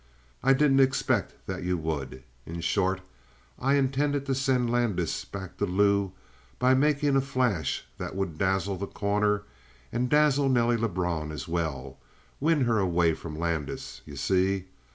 I didn't expect that you would. In short, I intended to send Landis back to Lou by making a flash that would dazzle The Corner, and dazzle Nelly Lebrun as well win her away from Landis, you see?